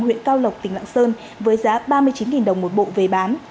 huyện cao lộc tỉnh lạng sơn với giá ba mươi chín đồng một bộ về bán